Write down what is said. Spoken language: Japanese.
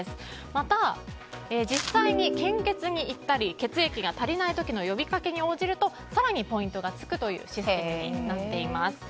また、実際に献血に行ったり血液が足りない時の呼びかけに応じると更にポイントが付くというシステムになっています。